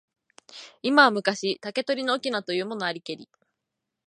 今は昔、竹取の翁というものありけり。